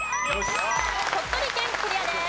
鳥取県クリアです。